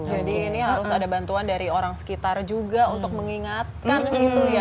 jadi ini harus ada bantuan dari orang sekitar juga untuk mengingatkan gitu ya